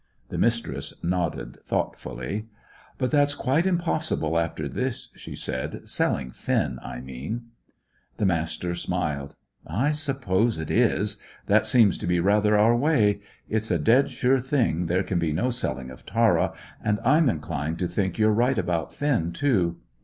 The Mistress nodded thoughtfully. "But that's quite impossible after this," she said; "selling Finn, I mean." The Master smiled. "I suppose it is. That seems to be rather our way. It's a dead sure thing there can be no selling of Tara, and I'm inclined to think you're right about Finn, too.